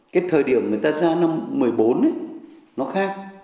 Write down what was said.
cái thời điểm người ta ra năm một mươi bốn ấy nó khác